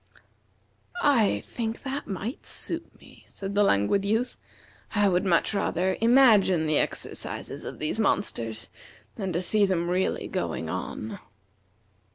"I think that might suit me," said the Languid Youth. "I would much rather imagine the exercises of these monsters than to see them really going on."